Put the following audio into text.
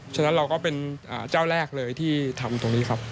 ฉะนั้นเราก็เป็นเจ้าแรกเลยที่ทำตรงนี้ครับ